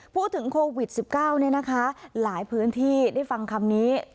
พูดถึงโควิด๑๙หลายพื้นที่ได้ฟังคำนี้